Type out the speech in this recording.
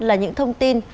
là những thông tin